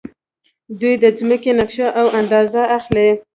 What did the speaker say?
دوی د ځمکې نقشه او اندازه اخلي.